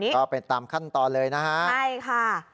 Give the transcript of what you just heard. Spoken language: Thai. ก็เป็นตามขั้นตอนเลยนะฮะใช่ค่ะ